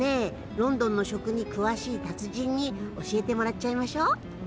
ロンドンの食に詳しい達人に教えてもらっちゃいましょう。